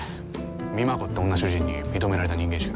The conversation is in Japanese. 美摩子って女主人に認められた人間しか。